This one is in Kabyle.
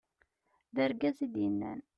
d argaz i d-yennan